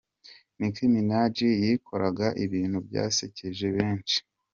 Nicki Minaj yikoraga ibintu byasekeje benshi.